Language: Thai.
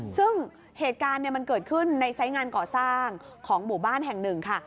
ซึ่งเหตุการณ์มันเกิดขึ้นในไซส์งานก่อสร้างของหมู่บ้านแห่งหนึ่งค่ะ